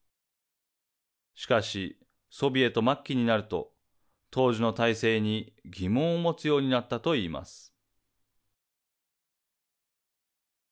しかし、ソビエト末期になると当時の体制に疑問を持つようになったと言います。